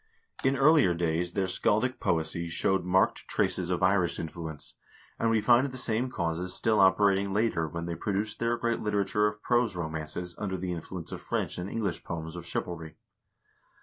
In earlier days their scaldic poesy showed marked traces of Irish influence, and we find the same causes still operating later when they produced their great literature of prose romances under the influence of French and English poems of chivalry.